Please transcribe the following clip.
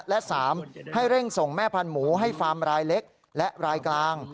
และ๓ให้เร่งส่งแม่พันธุให้ฟาร์มรายเล็กและรายกลาง